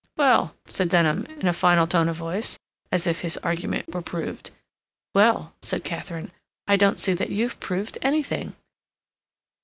"Well," said Denham, in a final tone of voice, as if his argument were proved. "Well," said Katharine, "I don't see that you've proved anything."